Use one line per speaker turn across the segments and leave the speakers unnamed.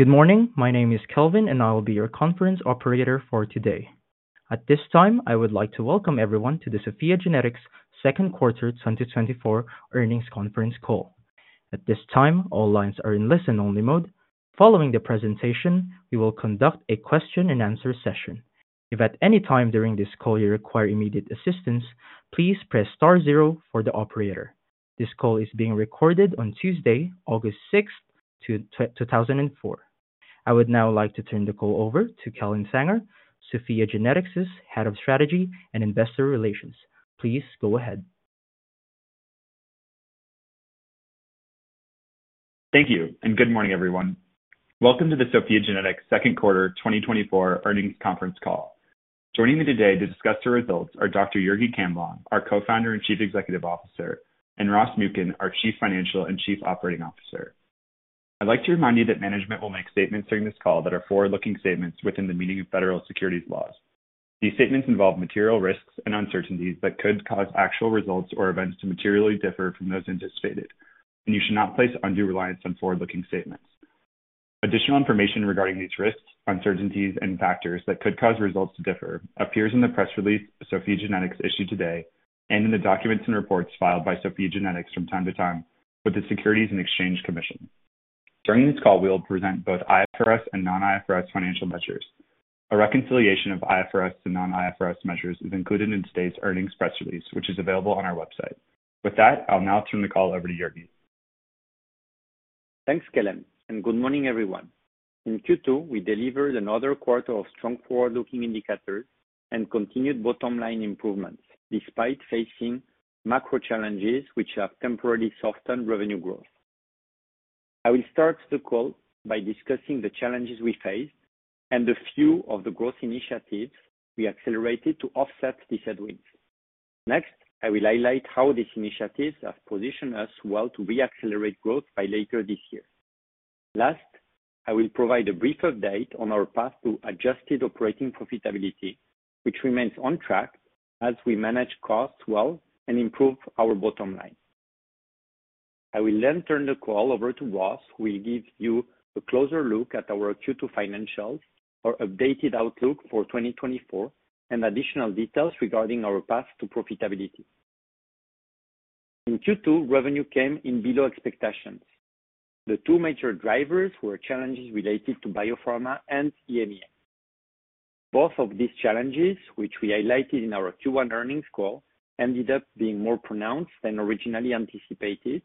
Good morning. My name is Kelvin, and I will be your conference operator for today. At this time, I would like to welcome everyone to the SOPHiA GENETICS second quarter 2024 earnings conference call. At this time, all lines are in listen-only mode. Following the presentation, we will conduct a question-and-answer session. If at any time during this call you require immediate assistance, please press star zero for the operator. This call is being recorded on Tuesday, August 6, 2024. I would now like to turn the call over to Kellen Sanger, SOPHiA GENETICS' Head of Strategy and Investor Relations. Please go ahead.
Thank you, and good morning, everyone. Welcome to the SOPHiA GENETICS second quarter 2024 earnings conference call. Joining me today to discuss the results are Dr. Jurgi Camblong, our Co-founder and Chief Executive Officer, and Ross Muken, our Chief Financial Officer and Chief Operating Officer. I'd like to remind you that management will make statements during this call that are forward-looking statements within the meaning of federal securities laws. These statements involve material risks and uncertainties that could cause actual results or events to materially differ from those anticipated, and you should not place undue reliance on forward-looking statements. Additional information regarding these risks, uncertainties, and factors that could cause results to differ appears in the press release SOPHiA GENETICS issued today and in the documents and reports filed by SOPHiA GENETICS from time to time with the Securities and Exchange Commission. During this call, we will present both IFRS and non-IFRS financial measures. A reconciliation of IFRS to non-IFRS measures is included in today's earnings press release, which is available on our website. With that, I'll now turn the call over to Jurgi.
Thanks, Kellen, and good morning, everyone. In Q2, we delivered another quarter of strong forward-looking indicators and continued bottom-line improvements, despite facing macro challenges which have temporarily softened revenue growth. I will start the call by discussing the challenges we face and a few of the growth initiatives we accelerated to offset these headwinds. Next, I will highlight how these initiatives have positioned us well to reaccelerate growth by later this year. Last, I will provide a brief update on our path to adjusted operating profitability, which remains on track as we manage costs well and improve our bottom line. I will then turn the call over to Ross, who will give you a closer look at our Q2 financials, our updated outlook for 2024, and additional details regarding our path to profitability. In Q2, revenue came in below expectations. The two major drivers were challenges related to biopharma and EMEA. Both of these challenges, which we highlighted in our Q1 earnings call, ended up being more pronounced than originally anticipated,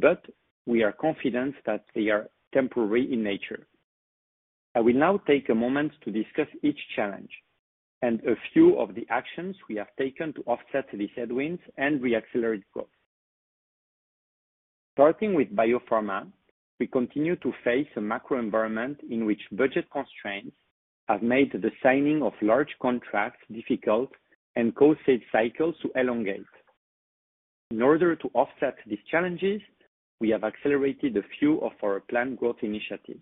but we are confident that they are temporary in nature. I will now take a moment to discuss each challenge and a few of the actions we have taken to offset these headwinds and reaccelerate growth. Starting with biopharma, we continue to face a macro environment in which budget constraints have made the signing of large contracts difficult and cost-saving cycles to elongate. In order to offset these challenges, we have accelerated a few of our planned growth initiatives.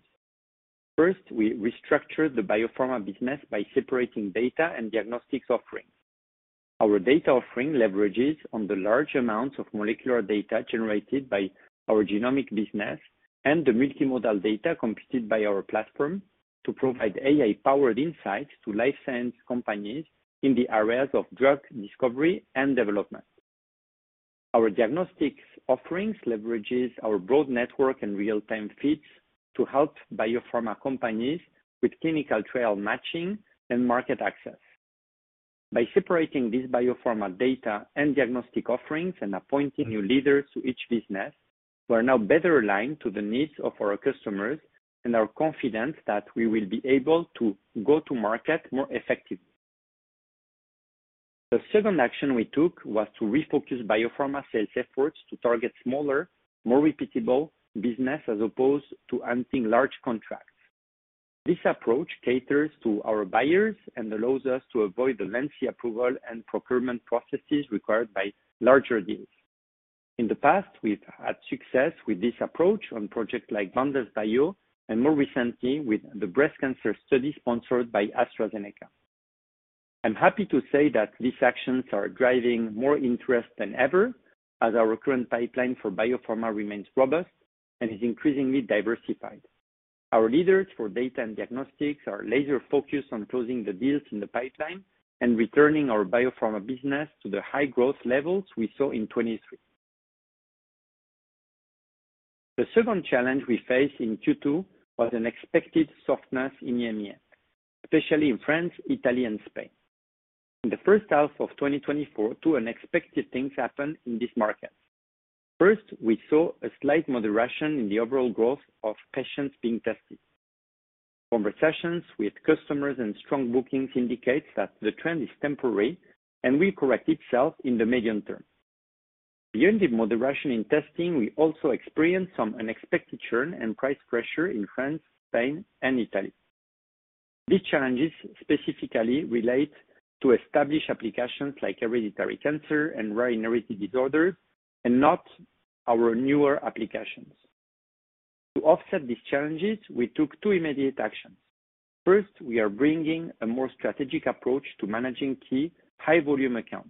First, we restructured the biopharma business by separating data and diagnostics offerings. Our data offering leverages on the large amounts of molecular data generated by our genomic business and the multimodal data completed by our platform to provide AI-powered insights to life science companies in the areas of drug discovery and development. Our diagnostics offerings leverages our broad network and real-time feeds to help biopharma companies with clinical trial matching and market access. By separating these biopharma data and diagnostic offerings and appointing new leaders to each business, we are now better aligned to the needs of our customers and are confident that we will be able to go to market more effectively. The second action we took was to refocus biopharma sales efforts to target smaller, more repeatable business, as opposed to hunting large contracts. This approach caters to our buyers and allows us to avoid the lengthy approval and procurement processes required by larger deals. In the past, we've had success with this approach on projects like Boundless Bio and more recently with the breast cancer study sponsored by AstraZeneca. I'm happy to say that these actions are driving more interest than ever, as our current pipeline for biopharma remains robust and is increasingly diversified. Our leaders for data and diagnostics are laser-focused on closing the deals in the pipeline and returning our biopharma business to the high growth levels we saw in 2023. The second challenge we faced in Q2 was an expected softness in EMEA, especially in France, Italy, and Spain. In the first half of 2024, two unexpected things happened in this market. First, we saw a slight moderation in the overall growth of patients being tested. Conversations with customers and strong bookings indicates that the trend is temporary and will correct itself in the medium term. Beyond the moderation in testing, we also experienced some unexpected churn and price pressure in France, Spain, and Italy. These challenges specifically relate to established applications like Hereditary Cancer and Rare Inherited Disorders and not our newer applications. To offset these challenges, we took two immediate actions. First, we are bringing a more strategic approach to managing key high-volume accounts....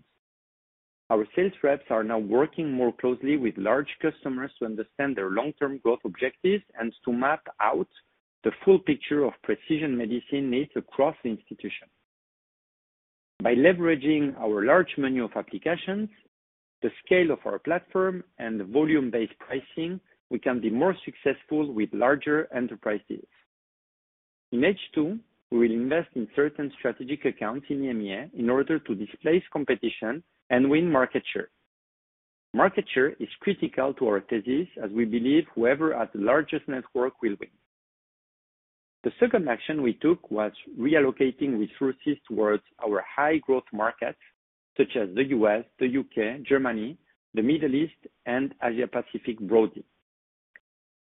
Our sales reps are now working more closely with large customers to understand their long-term growth objectives and to map out the full picture of precision medicine needs across the institution. By leveraging our large menu of applications, the scale of our platform, and the volume-based pricing, we can be more successful with larger enterprises. In H2, we will invest in certain strategic accounts in EMEA, in order to displace competition and win market share. Market share is critical to our thesis, as we believe whoever has the largest network will win. The second action we took was reallocating resources towards our high-growth markets, such as the U.S., the U.K., Germany, the Middle East, and Asia Pacific broadly.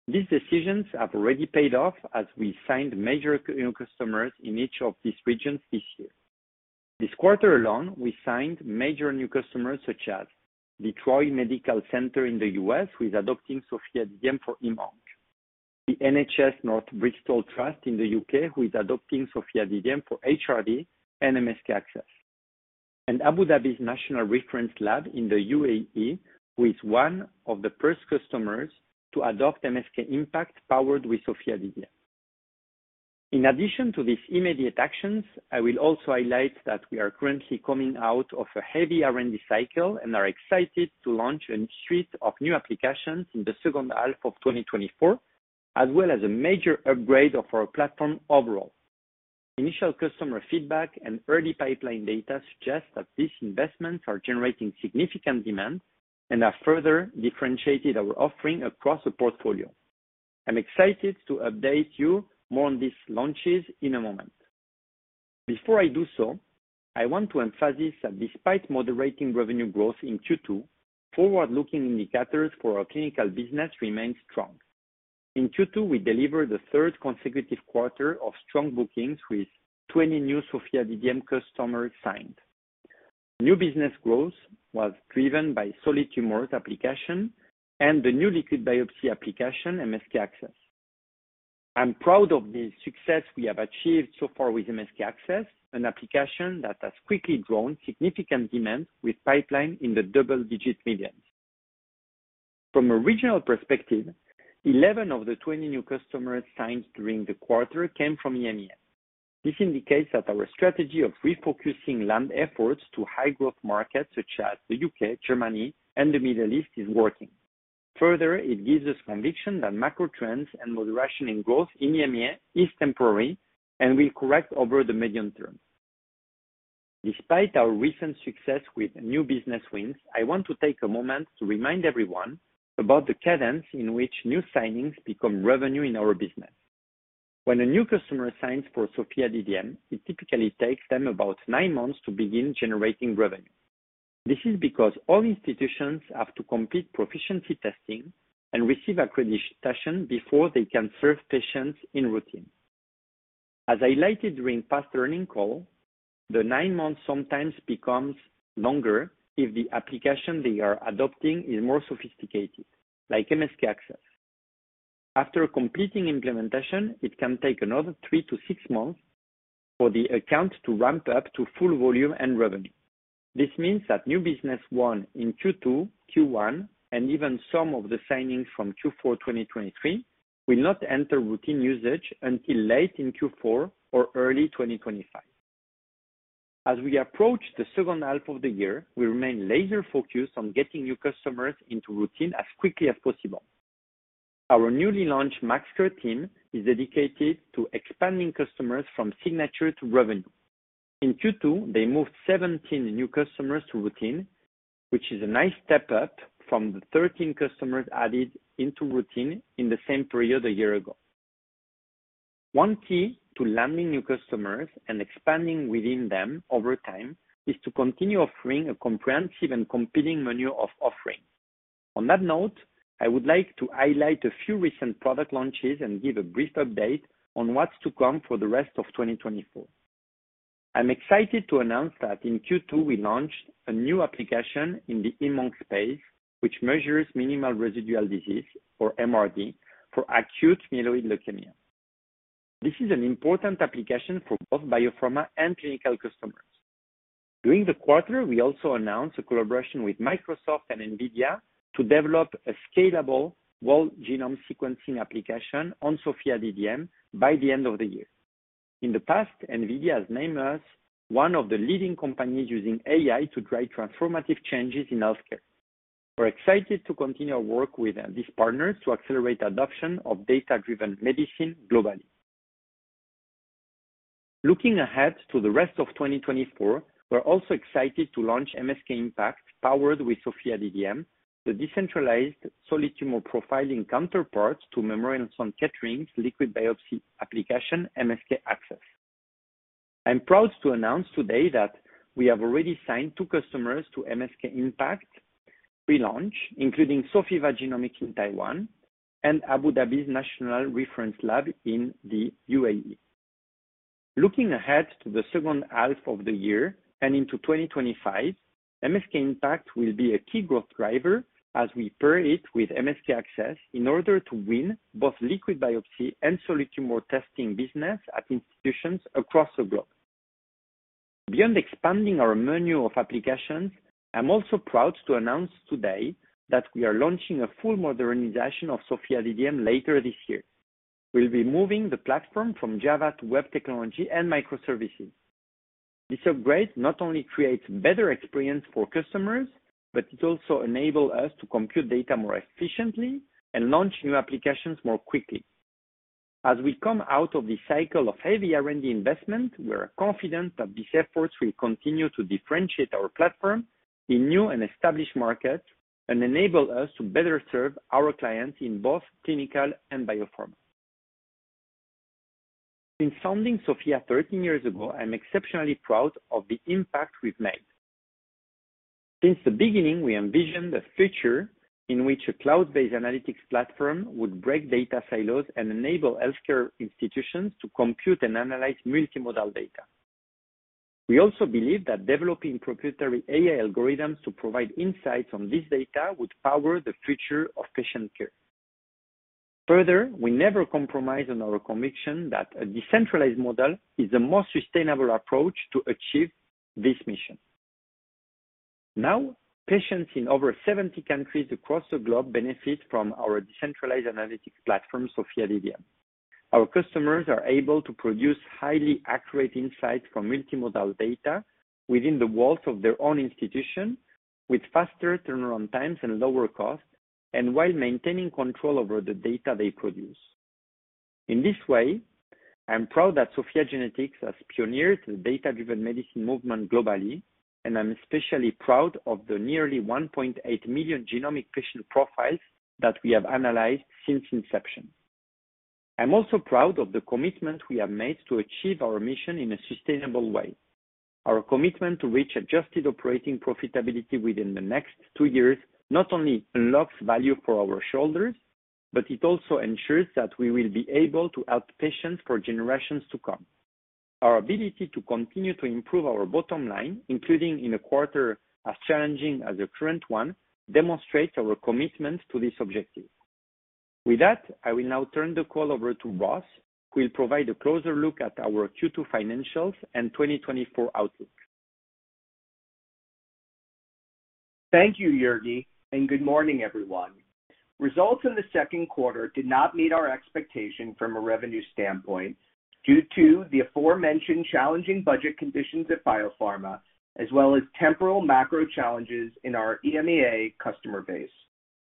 These decisions have already paid off, as we signed major new customers in each of these regions this year. This quarter alone, we signed major new customers, such as Detroit Medical Center in the U.S., who is adopting SOPHiA DDM for Heme-Onc. The North Bristol NHS Trust in the U.K., who is adopting SOPHiA DDM for HRD and MSK-ACCESS, and Abu Dhabi's National Reference Laboratory in the UAE, who is one of the first customers to adopt MSK-IMPACT, powered with SOPHiA DDM. In addition to these immediate actions, I will also highlight that we are currently coming out of a heavy R&D cycle and are excited to launch a suite of new applications in the second half of 2024, as well as a major upgrade of our platform overall. Initial customer feedback and early pipeline data suggest that these investments are generating significant demand and have further differentiated our offering across the portfolio. I'm excited to update you more on these launches in a moment. Before I do so, I want to emphasize that despite moderating revenue growth in Q2, forward-looking indicators for our clinical business remain strong. In Q2, we delivered the third consecutive quarter of strong bookings, with 20 new SOPHiA DDM customers signed. New business growth was driven by solid tumors application and the new liquid biopsy application, MSK-ACCESS. I'm proud of the success we have achieved so far with MSK-ACCESS, an application that has quickly drawn significant demand with pipeline in the double-digit millions. From a regional perspective, 11 of the 20 new customers signed during the quarter came from EMEA. This indicates that our strategy of refocusing land efforts to high-growth markets, such as the U.K., Germany, and the Middle East, is working. Further, it gives us conviction that macro trends and moderation in growth in EMEA is temporary and will correct over the medium term. Despite our recent success with new business wins, I want to take a moment to remind everyone about the cadence in which new signings become revenue in our business. When a new customer signs for SOPHiA DDM, it typically takes them about nine months to begin generating revenue. This is because all institutions have to complete proficiency testing and receive accreditation before they can serve patients in routine. As highlighted during past earnings call, the nine months sometimes becomes longer if the application they are adopting is more sophisticated, like MSK-ACCESS. After completing implementation, it can take another 3-6 months for the account to ramp up to full volume and revenue. This means that new business won in Q2, Q1, and even some of the signings from Q4 2023, will not enter routine usage until late in Q4 or early 2025. As we approach the second half of the year, we remain laser-focused on getting new customers into routine as quickly as possible. Our newly launched Max Care team is dedicated to expanding customers from signature to revenue. In Q2, they moved 17 new customers to routine, which is a nice step up from the 13 customers added into routine in the same period a year ago. One key to landing new customers and expanding within them over time is to continue offering a comprehensive and competitive menu of offerings. On that note, I would like to highlight a few recent product launches and give a brief update on what's to come for the rest of 2024. I'm excited to announce that in Q2, we launched a new application in the Heme-Onc space, which measures minimal residual disease, or MRD, for acute myeloid leukemia. This is an important application for both Biopharma and clinical customers. During the quarter, we also announced a collaboration with Microsoft and NVIDIA to develop a scalable whole genome sequencing application on SOPHiA DDM by the end of the year. In the past, NVIDIA has named us one of the leading companies using AI to drive transformative changes in healthcare. We're excited to continue our work with these partners to accelerate adoption of data-driven medicine globally. Looking ahead to the rest of 2024, we're also excited to launch MSK-IMPACT, powered with SOPHiA DDM, the decentralized solid tumor profiling counterpart to Memorial Sloan Kettering's liquid biopsy application, MSK-ACCESS. I'm proud to announce today that we have already signed two customers to MSK-IMPACT pre-launch, including Sofiva Genomics in Taiwan and Abu Dhabi's National Reference Laboratory in the UAE. Looking ahead to the second half of the year and into 2025, MSK-IMPACT will be a key growth driver as we pair it with MSK-ACCESS in order to win both liquid biopsy and solid tumor testing business at institutions across the globe. Beyond expanding our menu of applications, I'm also proud to announce today that we are launching a full modernization of SOPHiA DDM later this year. We'll be moving the platform from Java to web technology and microservices. This upgrade not only creates better experience for customers, but it also enable us to compute data more efficiently and launch new applications more quickly. As we come out of this cycle of heavy R&D investment, we are confident that these efforts will continue to differentiate our platform in new and established markets and enable us to better serve our clients in both clinical and biopharma. In founding SOPHiA GENETICS 13 years ago, I'm exceptionally proud of the impact we've made. Since the beginning, we envisioned a future in which a cloud-based analytics platform would break data silos and enable healthcare institutions to compute and analyze multimodal data. We also believe that developing proprietary AI algorithms to provide insights on this data would power the future of patient care. Further, we never compromise on our conviction that a decentralized model is the most sustainable approach to achieve this mission. Now, patients in over 70 countries across the globe benefit from our decentralized analytics platform, SOPHiA DDM. Our customers are able to produce highly accurate insights from multimodal data within the walls of their own institution, with faster turnaround times and lower costs, and while maintaining control over the data they produce. In this way, I'm proud that SOPHiA GENETICS has pioneered the data-driven medicine movement globally, and I'm especially proud of the nearly 1.8 million genomic patient profiles that we have analyzed since inception. I'm also proud of the commitment we have made to achieve our mission in a sustainable way. Our commitment to reach adjusted operating profitability within the next two years not only unlocks value for our shareholders, but it also ensures that we will be able to help patients for generations to come. Our ability to continue to improve our bottom line, including in a quarter as challenging as the current one, demonstrates our commitment to this objective. With that, I will now turn the call over to Ross, who will provide a closer look at our Q2 financials and 2024 outlook.
Thank you, Jurgi, and good morning, everyone. Results in the second quarter did not meet our expectation from a revenue standpoint, due to the aforementioned challenging budget conditions at Biopharma, as well as temporal macro challenges in our EMEA customer base.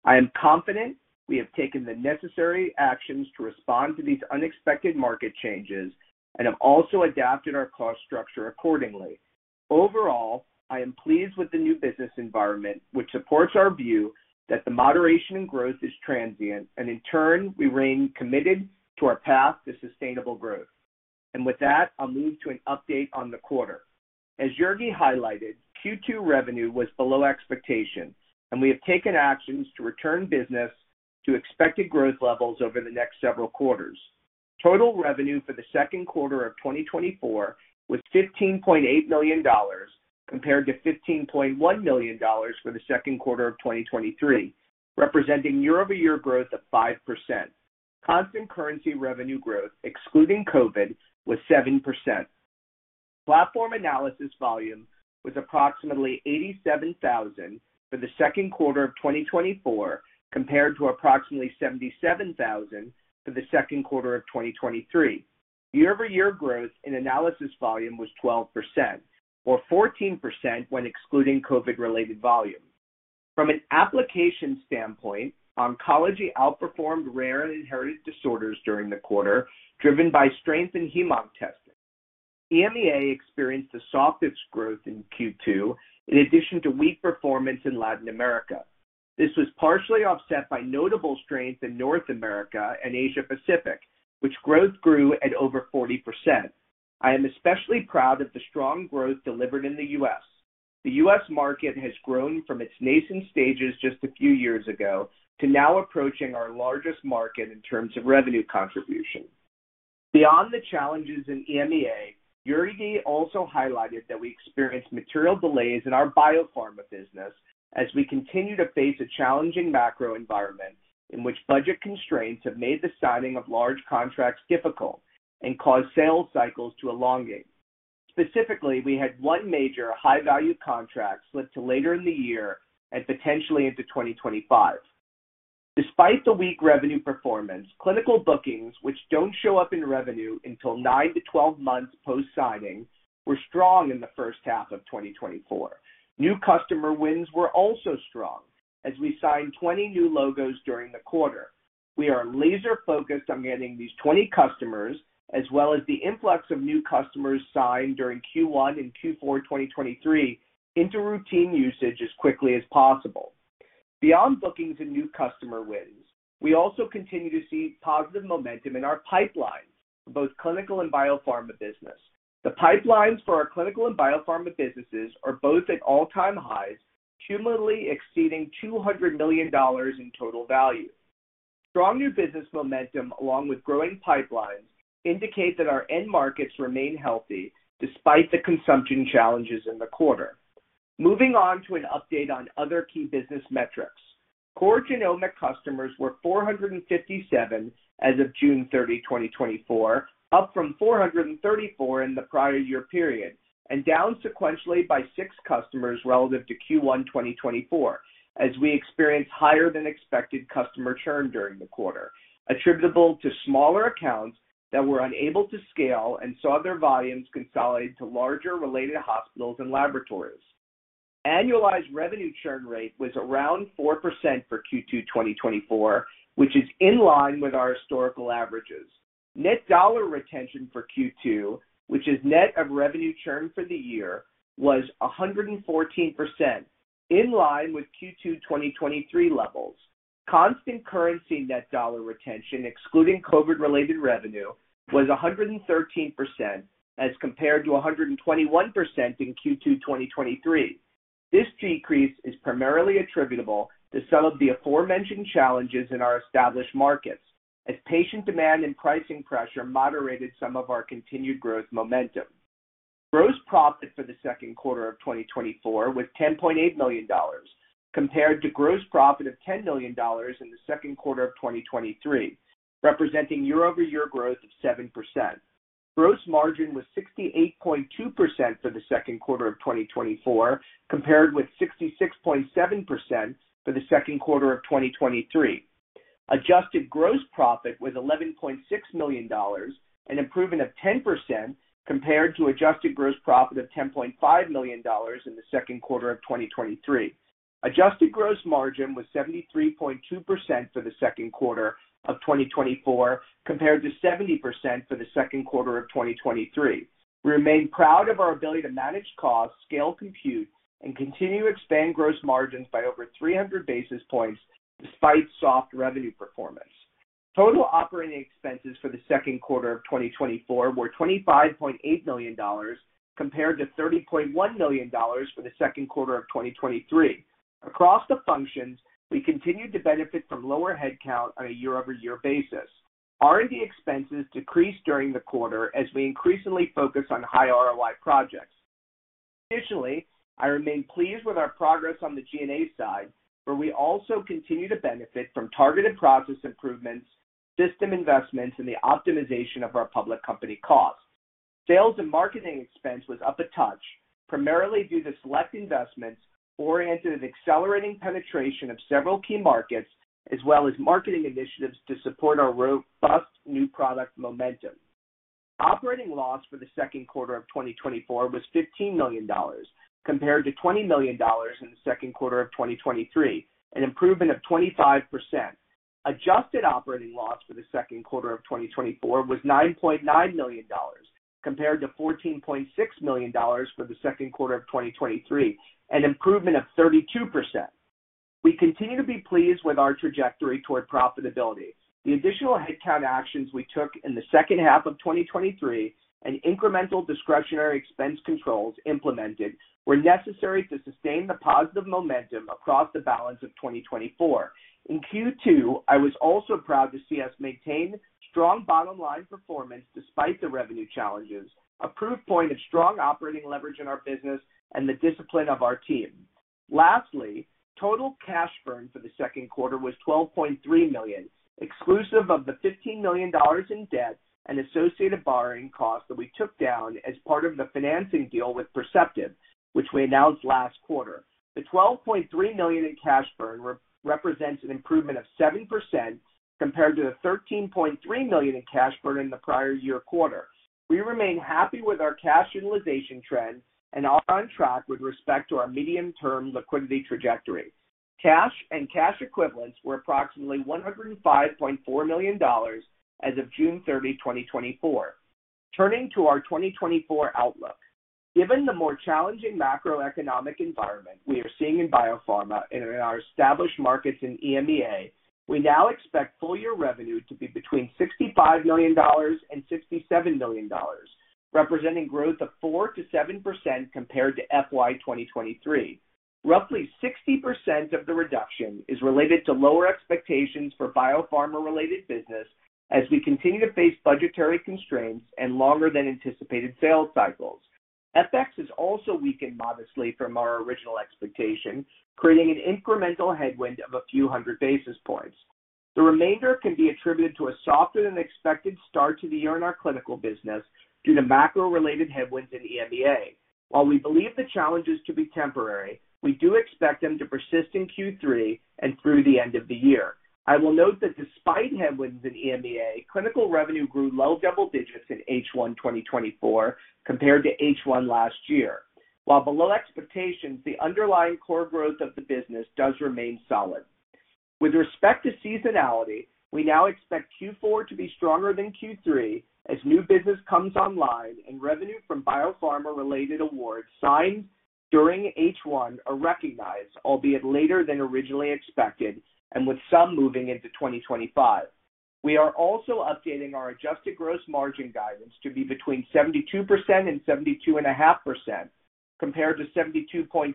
I am confident we have taken the necessary actions to respond to these unexpected market changes and have also adapted our cost structure accordingly. Overall, I am pleased with the new business environment, which supports our view that the moderation in growth is transient, and in turn, we remain committed to our path to sustainable growth. And with that, I'll move to an update on the quarter. As Jurgi highlighted, Q2 revenue was below expectations, and we have taken actions to return business to expected growth levels over the next several quarters. Total revenue for the second quarter of 2024 was $15.8 million, compared to $15.1 million for the second quarter of 2023, representing year-over-year growth of 5%. Constant currency revenue growth, excluding COVID, was 7%. Platform analysis volume was approximately 87,000 for the second quarter of 2024, compared to approximately 77,000 for the second quarter of 2023. Year-over-year growth in analysis volume was 12%, or 14% when excluding COVID-related volume. From an application standpoint, oncology outperformed rare and inherited disorders during the quarter, driven by strength in Heme-Onc testing. EMEA experienced the softest growth in Q2, in addition to weak performance in Latin America. This was partially offset by notable strength in North America and Asia Pacific, which growth grew at over 40%. I am especially proud of the strong growth delivered in the U.S.. The U.S. market has grown from its nascent stages just a few years ago to now approaching our largest market in terms of revenue contribution. Beyond the challenges in EMEA, Jurgi also highlighted that we experienced material delays in our biopharma business as we continue to face a challenging macro environment in which budget constraints have made the signing of large contracts difficult and caused sales cycles to elongate. Specifically, we had one major high-value contract slipped to later in the year and potentially into 2025. Despite the weak revenue performance, clinical bookings, which don't show up in revenue until 9-12 months post-signing, were strong in the first half of 2024. New customer wins were also strong as we signed 20 new logos during the quarter. We are laser focused on getting these 20 customers, as well as the influx of new customers signed during Q1 and Q4 2023, into routine usage as quickly as possible. Beyond bookings and new customer wins, we also continue to see positive momentum in our pipeline for both clinical and biopharma business. The pipelines for our clinical and biopharma businesses are both at all-time highs, cumulatively exceeding $200 million in total value. Strong new business momentum, along with growing pipelines, indicate that our end markets remain healthy despite the consumption challenges in the quarter. Moving on to an update on other key business metrics. Core genomic customers were 457 as of June 30, 2024, up from 434 in the prior year period, and down sequentially by 6 customers relative to Q1 2024, as we experienced higher than expected customer churn during the quarter, attributable to smaller accounts that were unable to scale and saw their volumes consolidate to larger related hospitals and laboratories. Annualized revenue churn rate was around 4% for Q2 2024, which is in line with our historical averages. Net dollar retention for Q2, which is net of revenue churn for the year, was 114%, in line with Q2 2023 levels. Constant currency net dollar retention, excluding COVID-related revenue, was 113% as compared to 121% in Q2 2023. This decrease is primarily attributable to some of the aforementioned challenges in our established markets, as patient demand and pricing pressure moderated some of our continued growth momentum. Gross profit for the second quarter of 2024 was $10.8 million, compared to gross profit of $10 million in the second quarter of 2023, representing year-over-year growth of 7%. Gross margin was 68.2% for the second quarter of 2024, compared with 66.7% for the second quarter of 2023. Adjusted gross profit was $11.6 million, an improvement of 10% compared to adjusted gross profit of $10.5 million in the second quarter of 2023. Adjusted gross margin was 73.2% for the second quarter of 2024, compared to 70% for the second quarter of 2023. We remain proud of our ability to manage costs, scale, compute, and continue to expand gross margins by over 300 basis points despite soft revenue performance. Total operating expenses for the second quarter of 2024 were $25.8 million, compared to $30.1 million for the second quarter of 2023. Across the functions, we continued to benefit from lower headcount on a year-over-year basis. R&D expenses decreased during the quarter as we increasingly focus on high ROI projects. Additionally, I remain pleased with our progress on the G&A side, where we also continue to benefit from targeted process improvements, system investments, and the optimization of our public company costs. Sales and marketing expense was up a touch, primarily due to select investments oriented at accelerating penetration of several key markets, as well as marketing initiatives to support our robust new product momentum. Operating loss for the second quarter of 2024 was $15 million, compared to $20 million in the second quarter of 2023, an improvement of 25%. Adjusted operating loss for the second quarter of 2024 was $9.9 million, compared to $14.6 million for the second quarter of 2023, an improvement of 32%. We continue to be pleased with our trajectory toward profitability. The additional headcount actions we took in the second half of 2023 and incremental discretionary expense controls implemented were necessary to sustain the positive momentum across the balance of 2024. In Q2, I was also proud to see us maintain strong bottom line performance despite the revenue challenges, a proof point of strong operating leverage in our business and the discipline of our team. Lastly, total cash burn for the second quarter was $12.3 million, exclusive of the $15 million in debt and associated borrowing costs that we took down as part of the financing deal with Perceptive, which we announced last quarter. The $12.3 million in cash burn represents an improvement of 7% compared to the $13.3 million in cash burn in the prior year quarter. We remain happy with our cash utilization trends and are on track with respect to our medium-term liquidity trajectory. Cash and cash equivalents were approximately $105.4 million as of June 30, 2024. Turning to our 2024 outlook. Given the more challenging macroeconomic environment we are seeing in biopharma and in our established markets in EMEA, we now expect full year revenue to be between $65 million and $67 million, representing growth of 4%-7% compared to FY 2023. Roughly 60% of the reduction is related to lower expectations for biopharma-related business as we continue to face budgetary constraints and longer than anticipated sales cycles. FX has also weakened modestly from our original expectation, creating an incremental headwind of a few hundred basis points. The remainder can be attributed to a softer than expected start to the year in our clinical business due to macro-related headwinds in EMEA. While we believe the challenges to be temporary, we do expect them to persist in Q3 and through the end of the year. I will note that despite headwinds in EMEA, clinical revenue grew low double digits in H1, 2024, compared to H1 last year. While below expectations, the underlying core growth of the business does remain solid. With respect to seasonality, we now expect Q4 to be stronger than Q3 as new business comes online and revenue from biopharma related awards signed during H1 are recognized, albeit later than originally expected and with some moving into 2025. We are also updating our adjusted gross margin guidance to be between 72% and 72.5%, compared to 72.2%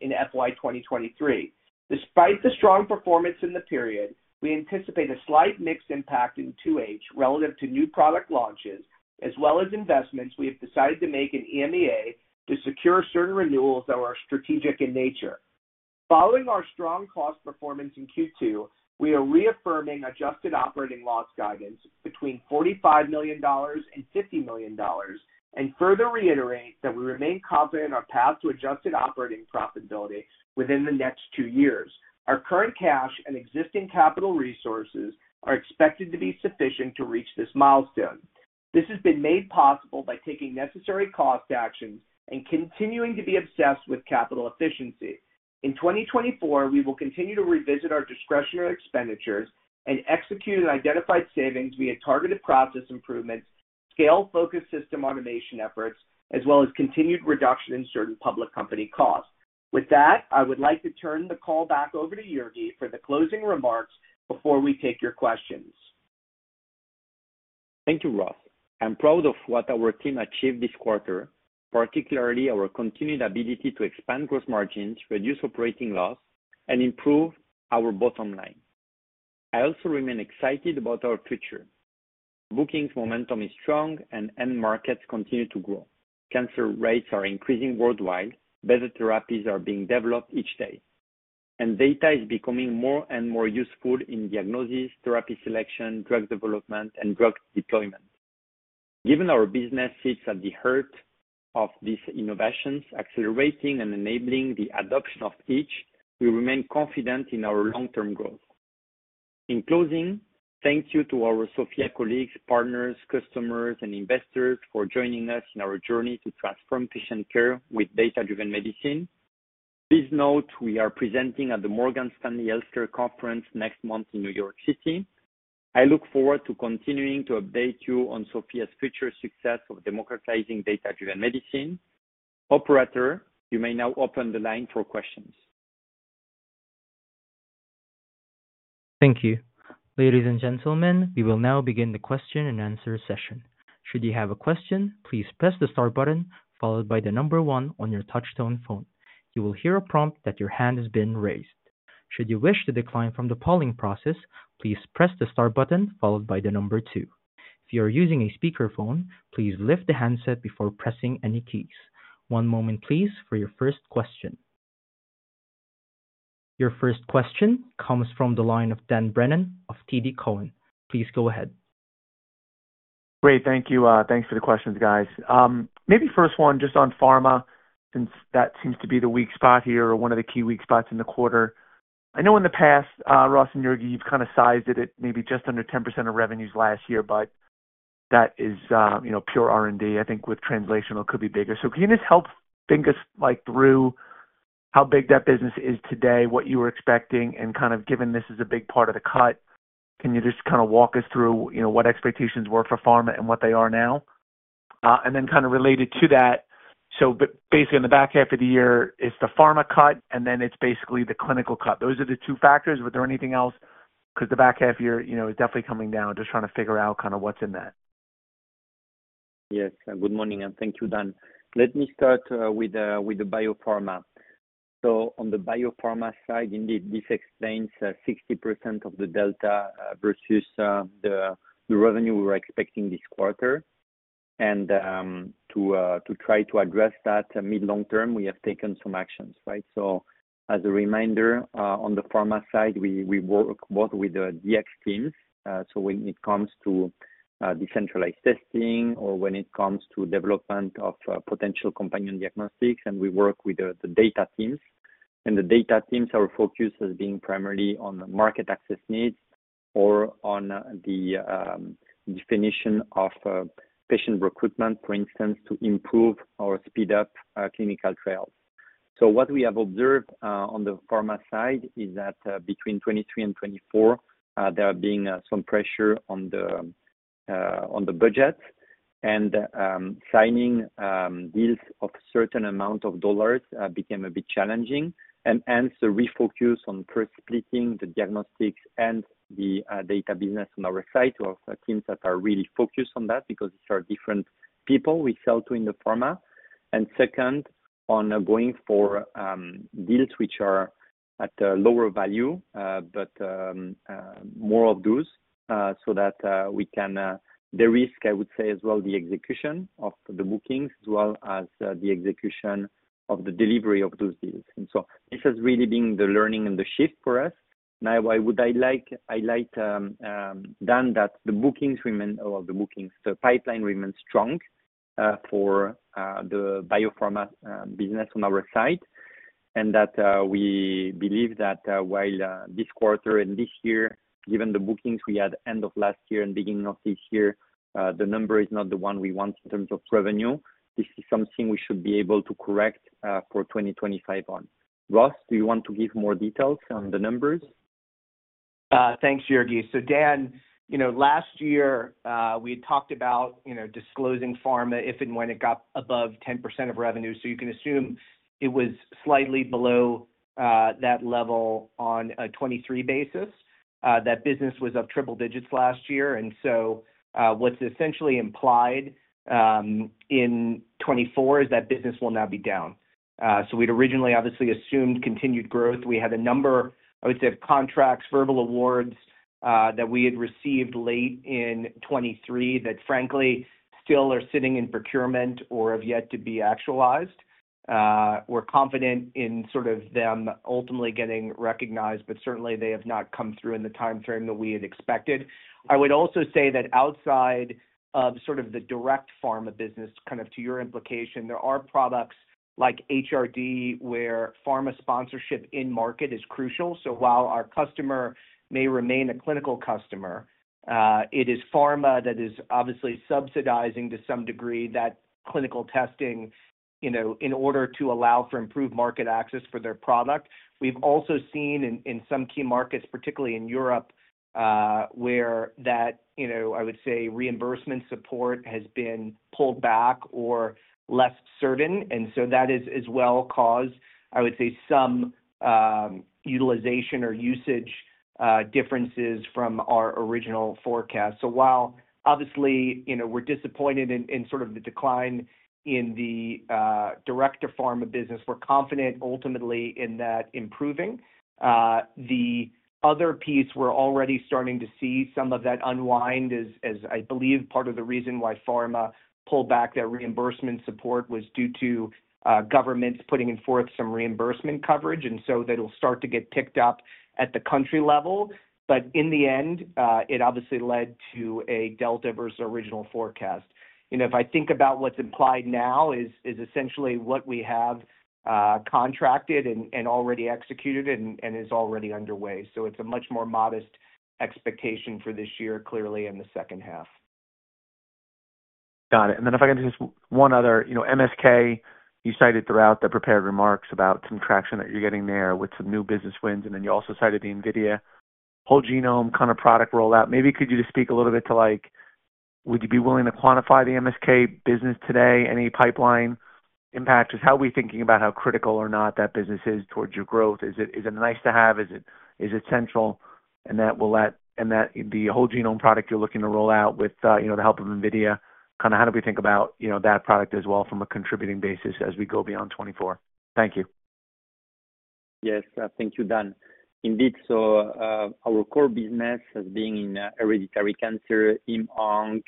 in FY 2023. Despite the strong performance in the period, we anticipate a slight mix impact in 2H relative to new product launches, as well as investments we have decided to make in EMEA to secure certain renewals that are strategic in nature. Following our strong cost performance in Q2, we are reaffirming adjusted operating loss guidance between $45 million and $50 million, and further reiterate that we remain confident in our path to adjusted operating profitability within the next two years. Our current cash and existing capital resources are expected to be sufficient to reach this milestone. This has been made possible by taking necessary cost actions and continuing to be obsessed with capital efficiency. In 2024, we will continue to revisit our discretionary expenditures and execute identified savings via targeted process improvements, scale-focused system automation efforts, as well as continued reduction in certain public company costs. With that, I would like to turn the call back over to Jurgi for the closing remarks before we take your questions.
Thank you, Ross. I'm proud of what our team achieved this quarter, particularly our continued ability to expand gross margins, reduce operating loss, and improve our bottom line. I also remain excited about our future. Bookings momentum is strong and end markets continue to grow. Cancer rates are increasing worldwide. Better therapies are being developed each day, and data is becoming more and more useful in diagnosis, therapy, selection, drug development, and drug deployment. Given our business sits at the heart of these innovations, accelerating and enabling the adoption of each, we remain confident in our long-term growth. In closing, thank you to our SOPHiA colleagues, partners, customers, and investors for joining us in our journey to transform patient care with data-driven medicine. Please note, we are presenting at the Morgan Stanley Healthcare Conference next month in New York City. I look forward to continuing to update you on SOPHiA's future success of democratizing data-driven medicine. Operator, you may now open the line for questions.
Thank you. Ladies and gentlemen, we will now begin the question and answer session. Should you have a question, please press the star button followed by the number 1 on your touchtone phone. You will hear a prompt that your hand has been raised. Should you wish to decline from the polling process, please press the star button followed by the number 2. If you are using a speakerphone, please lift the handset before pressing any keys. One moment, please, for your first question. Your first question comes from the line of Dan Brennan of TD Cowen. Please go ahead.
Great, thank you. Thanks for the questions, guys. Maybe first one, just on pharma, since that seems to be the weak spot here or one of the key weak spots in the quarter. I know in the past, Ross and Jurgi, you've kind of sized it at maybe just under 10% of revenues last year, but that is, you know, pure R&D. I think with translational, it could be bigger. So can you just help think us, like, through how big that business is today, what you were expecting, and kind of given this is a big part of the cut, can you just kind of walk us through, you know, what expectations were for pharma and what they are now? And then kind of related to that, so basically in the back half of the year, it's the pharma cut, and then it's basically the clinical cut. Those are the two factors. Was there anything else? Because the back half year, you know, is definitely coming down. Just trying to figure out kind of what's in that.
Yes, good morning, and thank you, Dan. Let me start with the biopharma. So on the biopharma side, indeed, this explains 60% of the delta versus the revenue we were expecting this quarter. And to try to address that mid-long term, we have taken some actions, right? So as a reminder, on the pharma side, we work both with the Dx teams, so when it comes to decentralized testing or when it comes to development of potential companion diagnostics, and we work with the data teams. And the data teams, our focus has been primarily on market access needs or on the definition of patient recruitment, for instance, to improve or speed up clinical trials. So what we have observed on the pharma side is that between 2023 and 2024 there is being some pressure on the budget. Signing deals of certain amount of dollars became a bit challenging. Hence, the refocus on first splitting the diagnostics and the data business on our side, or teams that are really focused on that, because these are different people we sell to in the pharma. Second, on going for deals which are at a lower value but more of those so that we can the risk, I would say, as well, the execution of the bookings, as well as the execution of the delivery of those deals. So this has really been the learning and the shift for us. Now, I would like, Dan, that the bookings remain, the pipeline remains strong for the biopharma business on our side, and that we believe that while this quarter and this year, given the bookings we had end of last year and beginning of this year, the number is not the one we want in terms of revenue. This is something we should be able to correct for 2025 on. Ross, do you want to give more details on the numbers?
...Thanks, Jurgi. So Dan, you know, last year, we had talked about, you know, disclosing pharma if and when it got above 10% of revenue. So you can assume it was slightly below that level on a 2023 basis. That business was up triple digits last year, and so, what's essentially implied in 2024 is that business will now be down. So we'd originally obviously assumed continued growth. We had a number, I would say, of contracts, verbal awards that we had received late in 2023 that frankly, still are sitting in procurement or have yet to be actualized. We're confident in sort of them ultimately getting recognized, but certainly they have not come through in the timeframe that we had expected. I would also say that outside of sort of the direct pharma business, kind of to your implication, there are products like HRD, where pharma sponsorship in market is crucial. So while our customer may remain a clinical customer, it is pharma that is obviously subsidizing to some degree, that clinical testing, you know, in order to allow for improved market access for their product. We've also seen in some key markets, particularly in Europe, where that, you know, I would say reimbursement support has been pulled back or less certain, and so that is as well caused, I would say, some utilization or usage differences from our original forecast. So while obviously, you know, we're disappointed in sort of the decline in the direct to pharma business, we're confident ultimately in that improving. The other piece, we're already starting to see some of that unwind as I believe part of the reason why pharma pulled back their reimbursement support was due to governments putting forth some reimbursement coverage, and so that'll start to get picked up at the country level. But in the end, it obviously led to a delta versus original forecast. You know, if I think about what's implied now is essentially what we have contracted and already executed and is already underway. So it's a much more modest expectation for this year, clearly in the second half.
Got it. And then if I can just one other, you know, MSK, you cited throughout the prepared remarks about some traction that you're getting there with some new business wins, and then you also cited the NVIDIA whole genome kind of product rollout. Maybe could you just speak a little bit to like, would you be willing to quantify the MSK business today? Any pipeline impact? Just how are we thinking about how critical or not that business is towards your growth? Is it, is it nice to have, is it, is it central? And that will let- and that the whole genome product you're looking to roll out with, you know, the help of NVIDIA, kind of how do we think about, you know, that product as well from a contributing basis as we go beyond 2024? Thank you.
Yes. Thank you, Dan. Indeed, so, our core business as being in hereditary cancer, Heme-Onc,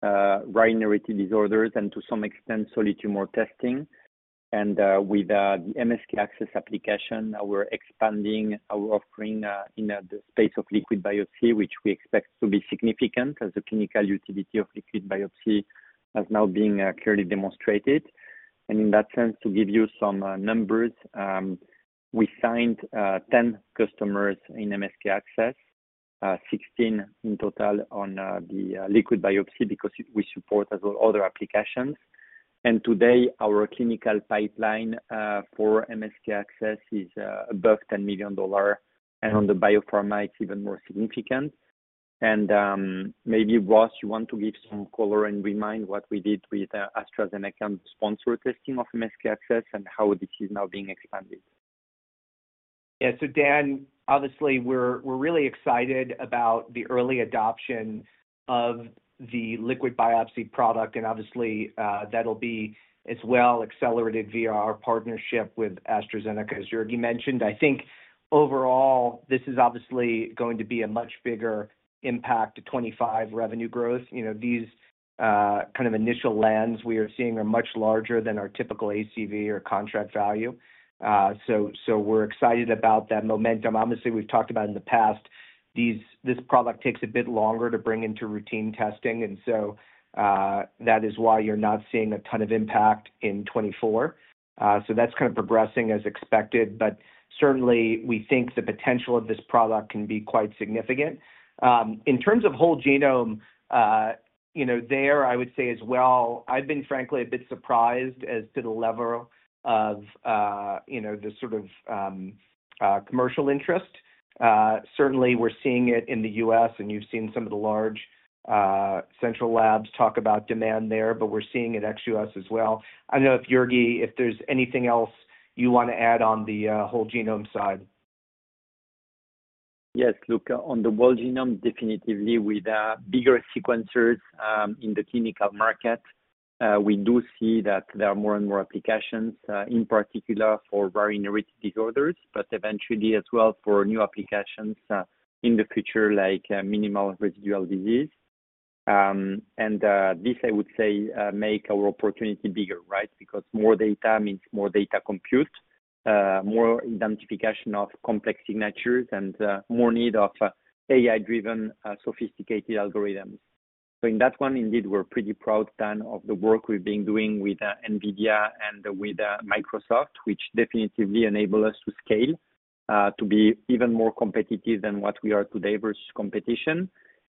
rare inherited disorders, and to some extent, solid tumor testing. And, with, the MSK-ACCESS application, we're expanding our offering, in, the space of liquid biopsy, which we expect to be significant as the clinical utility of liquid biopsy has now been, clearly demonstrated. And in that sense, to give you some, numbers, we signed, 10 customers in MSK-ACCESS, 16 in total on, the, liquid biopsy because we support as well other applications. And today, our clinical pipeline, for MSK-ACCESS is, above $10 million, and on the biopharma, it's even more significant. Maybe, Ross, you want to give some color and remind what we did with AstraZeneca-sponsored testing of MSK-ACCESS and how this is now being expanded.
Yeah. So Dan, obviously, we're really excited about the early adoption of the liquid biopsy product, and obviously, that'll be as well accelerated via our partnership with AstraZeneca, as Jurgi mentioned. I think overall, this is obviously going to be a much bigger impact to 2025 revenue growth. You know, these kind of initial lands we are seeing are much larger than our typical ACV or contract value. So we're excited about that momentum. Obviously, we've talked about in the past, this product takes a bit longer to bring into routine testing, and so that is why you're not seeing a ton of impact in 2024. So that's kind of progressing as expected, but certainly, we think the potential of this product can be quite significant. In terms of whole genome, you know, there, I would say as well, I've been frankly a bit surprised as to the level of, you know, the sort of, commercial interest. Certainly, we're seeing it in the U.S., and you've seen some of the large, central labs talk about demand there, but we're seeing it ex-U.S. as well. I don't know if, Jurgi, if there's anything else you want to add on the, whole genome side?
Yes, look, on the whole genome, definitively with bigger sequencers in the clinical market, we do see that there are more and more applications in particular for very rare disorders, but eventually as well for new applications in the future, like minimal residual disease. And this, I would say, make our opportunity bigger, right? Because more data means more data compute, more identification of complex signatures and more need of AI-driven sophisticated algorithms. So in that one, indeed, we're pretty proud, Dan, of the work we've been doing with NVIDIA and with Microsoft, which definitively enable us to scale to be even more competitive than what we are today versus competition.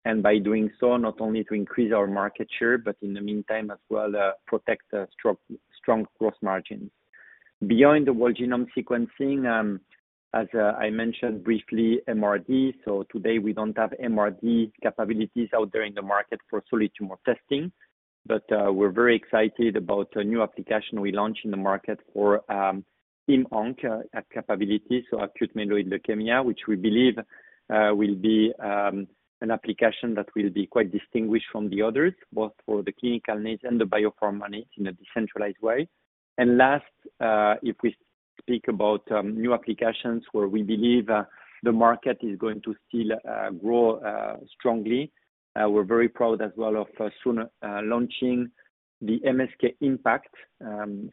And by doing so, not only to increase our market share, but in the meantime as well, protect the strong, strong growth margins. Beyond the whole genome sequencing, as I mentioned briefly, MRD. So today, we don't have MRD capabilities out there in the market for solid tumor testing, but we're very excited about a new application we launched in the market for heme-onc capabilities, so acute myeloid leukemia. Which we believe will be an application that will be quite distinguished from the others, both for the clinical needs and the biopharma needs in a decentralized way. Last, if we speak about new applications where we believe the market is going to still grow strongly, we're very proud as well of soon launching the MSK-IMPACT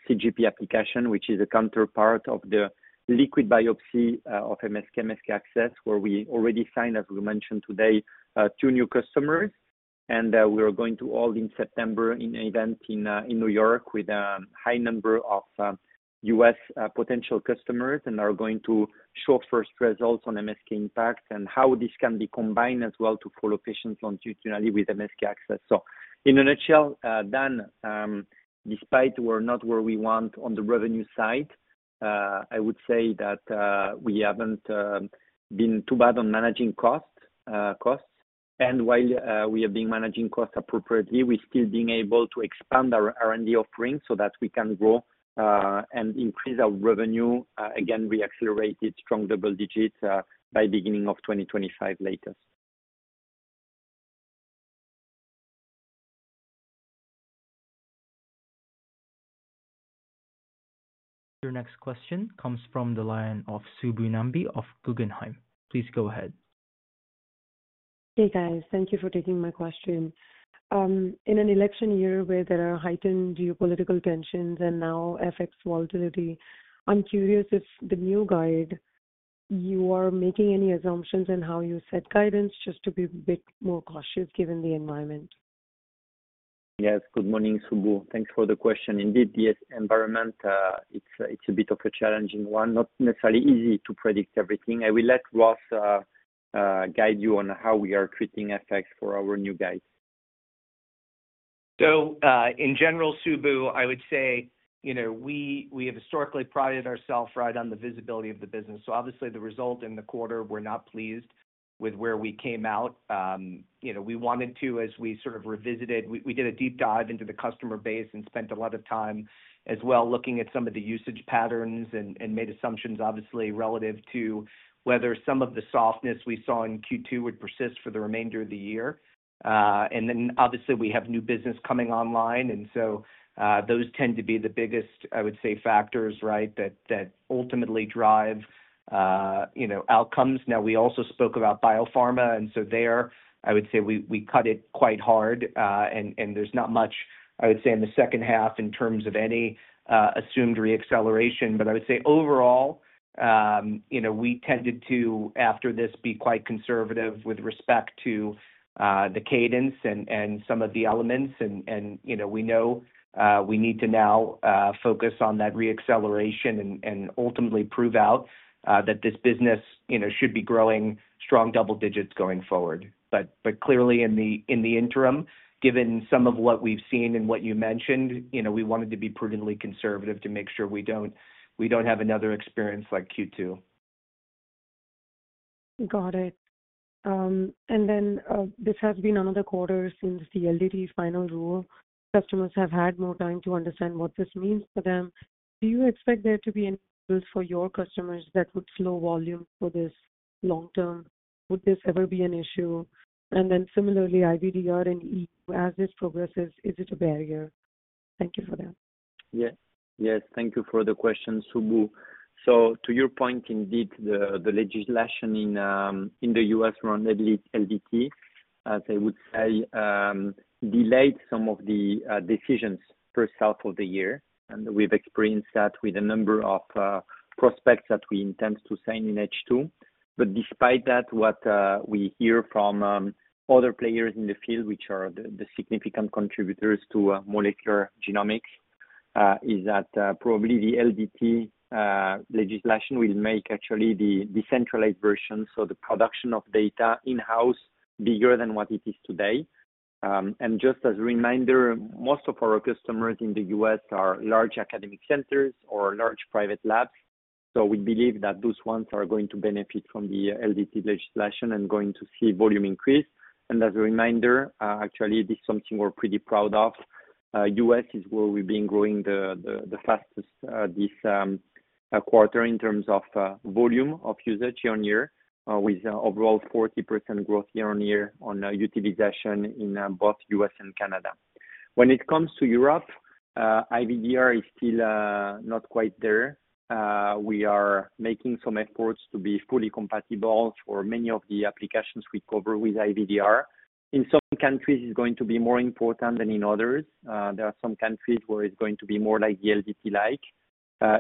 CGP application, which is a counterpart of the liquid biopsy of MSK-ACCESS, where we already signed, as we mentioned today, two new customers. We are going to hold in September an event in New York with a high number of U.S. potential customers and are going to show first results on MSK-IMPACT and how this can be combined as well to follow patients longitudinally with MSK-ACCESS. So in a nutshell, Dan, despite we're not where we want on the revenue side, I would say that we haven't been too bad on managing costs, costs. And while we have been managing costs appropriately, we're still being able to expand our RND offerings so that we can grow and increase our revenue. Again, reaccelerate it strong double digits by beginning of 2025 latest.
Your next question comes from the line of Subbu Nambi of Guggenheim. Please go ahead.
Hey, guys. Thank you for taking my question. In an election year where there are heightened geopolitical tensions and now FX volatility, I'm curious if the new guidance, are you making any assumptions in how you set guidance, just to be a bit more cautious given the environment?
Yes. Good morning, Subbu. Thanks for the question. Indeed, the environment, it's a bit of a challenging one. Not necessarily easy to predict everything. I will let Ross guide you on how we are treating FX for our new guide.
So, in general, Subbu, I would say, you know, we, we have historically prided ourself right on the visibility of the business. So obviously, the result in the quarter, we're not pleased with where we came out. You know, we wanted to, as we sort of revisited, we, we did a deep dive into the customer base and spent a lot of time as well, looking at some of the usage patterns and, and made assumptions, obviously, relative to whether some of the softness we saw in Q2 would persist for the remainder of the year. And then, obviously, we have new business coming online, and so, those tend to be the biggest, I would say, factors, right, that, that ultimately drive, you know, outcomes. Now, we also spoke about Biopharma, and so there, I would say we cut it quite hard, and there's not much, I would say, in the second half in terms of any assumed reacceleration. But I would say overall, you know, we tended to, after this, be quite conservative with respect to the cadence and some of the elements. And you know, we know we need to now focus on that reacceleration and ultimately prove out that this business, you know, should be growing strong double digits going forward. But clearly in the interim, given some of what we've seen and what you mentioned, you know, we wanted to be prudently conservative to make sure we don't have another experience like Q2.
Got it. And then, this has been another quarter since the LDT final rule. Customers have had more time to understand what this means for them. Do you expect there to be an for your customers that would slow volume for this long term? Would this ever be an issue? And then similarly, IVDR in EU, as this progresses, is it a barrier? Thank you for that.
Yes. Yes, thank you for the question, Subbu. So to your point, indeed, the legislation in the U.S. around LDT delayed some of the decisions first half of the year, and we've experienced that with a number of prospects that we intend to sign in H2. But despite that, what we hear from other players in the field, which are the significant contributors to molecular genomics, is that probably the LDT legislation will make actually the decentralized version, so the production of data in-house, bigger than what it is today. And just as a reminder, most of our customers in the U.S. .are large academic centers or large private labs, so we believe that those ones are going to benefit from the LDT legislation and going to see volume increase. As a reminder, actually, this is something we're pretty proud of. U.S. is where we've been growing the fastest this quarter in terms of volume of usage year-on-year, with overall 40% growth year-on-year on utilization in both U.S. and Canada. When it comes to Europe, IVDR is still not quite there. We are making some efforts to be fully compatible for many of the applications we cover with IVDR. In some countries, it's going to be more important than in others. There are some countries where it's going to be more like the LDT like.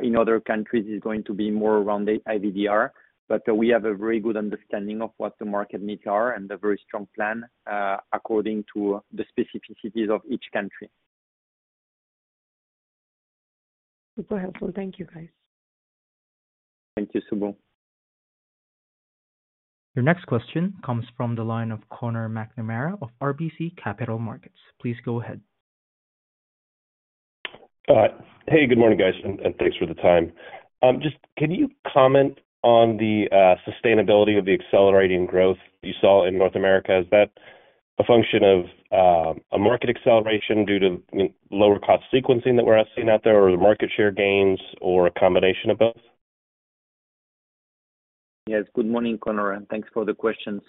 In other countries, it's going to be more around the IVDR, but we have a very good understanding of what the market needs are and a very strong plan, according to the specificities of each country.
Super helpful. Thank you, guys.
Thank you, Subbu.
Your next question comes from the line of Conor McNamara of RBC Capital Markets. Please go ahead.
Hey, good morning, guys, and thanks for the time. Just, can you comment on the sustainability of the accelerating growth you saw in North America? Is that a function of a market acceleration due to lower cost sequencing that we're seeing out there, or the market share gains or a combination of both?
Yes. Good morning, Conor, and thanks for the question.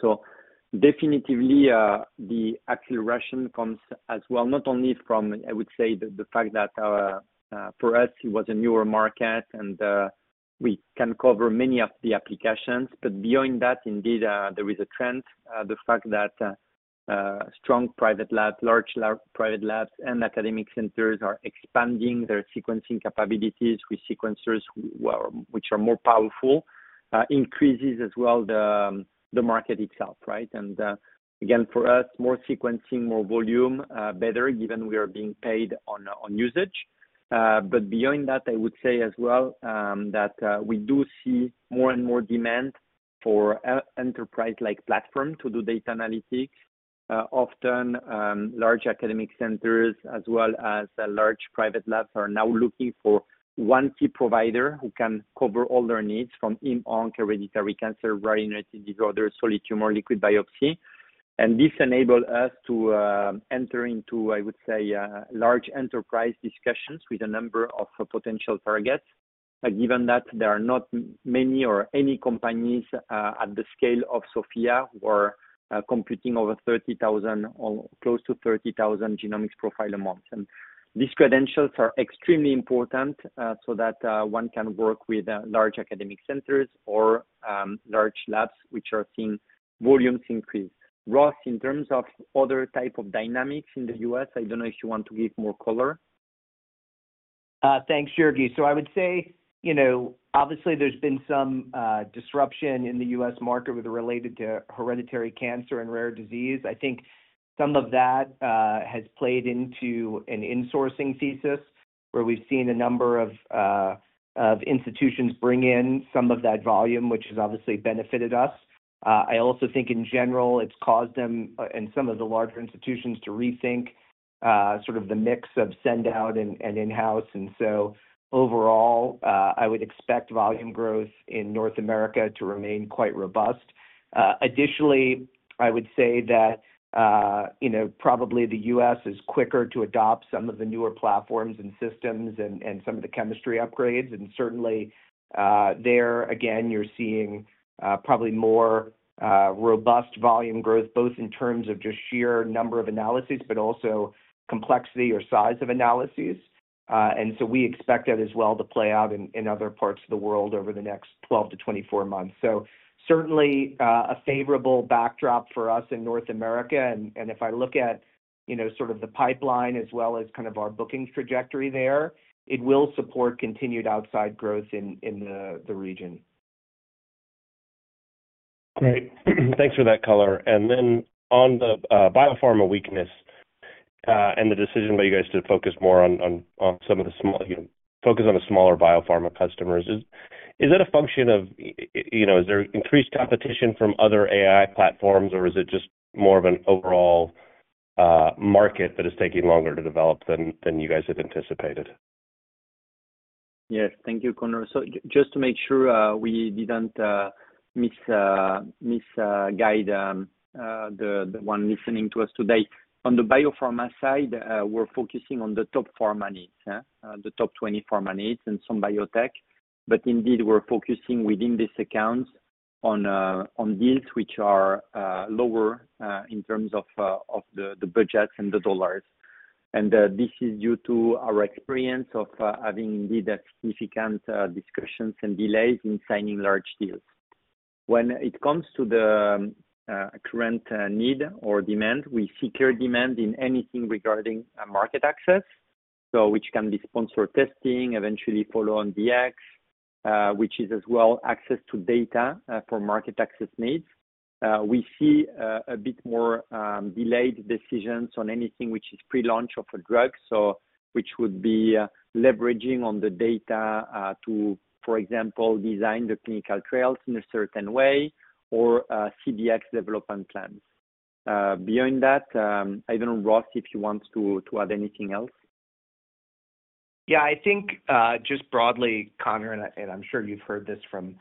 So definitively, the acceleration comes as well, not only from, I would say, the fact that, for us, it was a newer market and we can cover many of the applications. But beyond that, indeed, there is a trend, the fact that strong private labs, large private labs and academic centers are expanding their sequencing capabilities with sequencers which are more powerful, increases as well the market itself, right? And, again, for us, more sequencing, more volume, better, given we are being paid on usage. But beyond that, I would say as well, that we do see more and more demand for enterprise like platform to do data analytics. Often, large academic centers as well as large private labs are now looking for one key provider who can cover all their needs from oncology, hereditary cancer, rare inherited disorders, solid tumor, liquid biopsy. And this enable us to enter into, I would say, large enterprise discussions with a number of potential targets. Given that there are not many or any companies at the scale of SOPHiA who are computing over 30,000 or close to 30,000 genomic profiles a month. And these credentials are extremely important, so that one can work with large academic centers or large labs, which are seeing volumes increase. Ross, in terms of other type of dynamics in the U.S., I don't know if you want to give more color.
Thanks, Jurgi. So I would say, you know, obviously there's been some disruption in the U.S. market with related to hereditary cancer and rare disease. I think some of that has played into an insourcing thesis, where we've seen a number of institutions bring in some of that volume, which has obviously benefited us. I also think in general, it's caused them in some of the larger institutions to rethink sort of the mix of send out and in-house. And so overall, I would expect volume growth in North America to remain quite robust. Additionally, I would say that, you know, probably the U.S. is quicker to adopt some of the newer platforms and systems and some of the chemistry upgrades. Certainly, there, again, you're seeing, probably more, robust volume growth, both in terms of just sheer number of analyses, but also complexity or size of analyses. And so we expect that as well to play out in other parts of the world over the next 12-24 months. So certainly, a favorable backdrop for us in North America. And if I look at, you know, sort of the pipeline as well as kind of our booking trajectory there, it will support continued outside growth in the region.
Great. Thanks for that color. And then on the biopharma weakness and the decision by you guys to focus more on some of the smaller biopharma customers, is that a function of... You know, is there increased competition from other AI platforms, or is it just more of an overall market that is taking longer to develop than you guys have anticipated?
Yes. Thank you, Conor. So just to make sure, we didn't misguide the one listening to us today. On the biopharma side, we're focusing on the top pharma needs, the top 20 pharma needs and some biotech. But indeed, we're focusing within these accounts on deals which are lower in terms of the budgets and the dollars. And this is due to our experience of having indeed a significant discussions and delays in signing large deals. When it comes to the current need or demand, we see clear demand in anything regarding market access, so which can be sponsored testing, eventually follow-on Dx, which is as well access to data for market access needs. We see a bit more delayed decisions on anything which is pre-launch of a drug, so which would be leveraging on the data to, for example, design the clinical trials in a certain way or CDx development plans. Beyond that, I don't know, Ross, if you want to add anything else?
Yeah, I think, just broadly, Conor, and I, and I'm sure you've heard this from,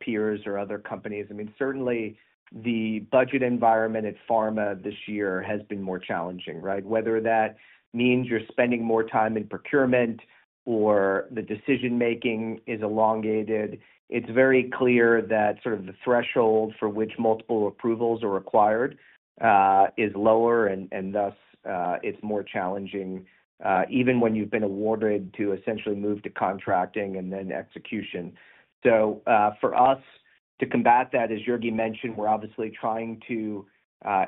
peers or other companies. I mean, certainly the budget environment at Pharma this year has been more challenging, right? Whether that means you're spending more time in procurement or the decision-making is elongated, it's very clear that sort of the threshold for which multiple approvals are required, is lower, and, and thus, it's more challenging, even when you've been awarded to essentially move to contracting and then execution. So, for us to combat that, as Jurgi mentioned, we're obviously trying to,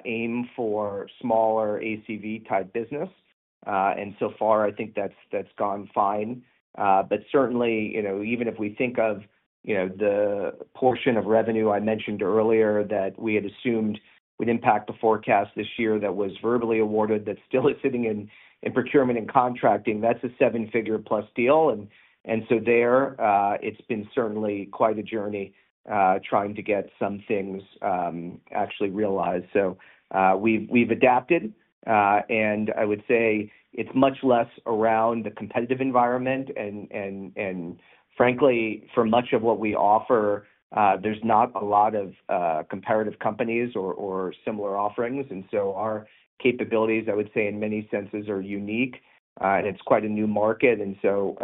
aim for smaller ACV type business.... and so far I think that's, that's gone fine. But certainly, you know, even if we think of, you know, the portion of revenue I mentioned earlier, that we had assumed would impact the forecast this year, that was verbally awarded, that still is sitting in, in procurement and contracting, that's a seven-figure plus deal. And so there, it's been certainly quite a journey, trying to get some things, actually realized. So, we've adapted, and I would say it's much less around the competitive environment and frankly, for much of what we offer, there's not a lot of comparative companies or similar offerings. And so our capabilities, I would say, in many senses, are unique, and it's quite a new market. And so,